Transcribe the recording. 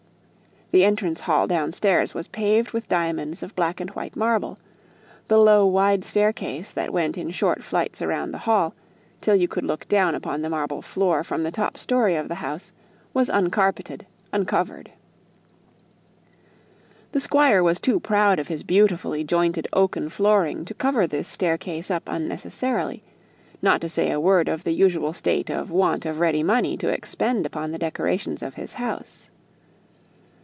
The entrance hall downstairs was paved with diamonds of black and white marble; the low wide staircase that went in short flights around the hall, till you could look down upon the marble floor from the top story of the house, was uncarpeted uncovered. The Squire was too proud of his beautifully joined oaken flooring to cover this stair case up unnecessarily; not to say a word of the usual state of want of ready money to expend upon the decorations of his house.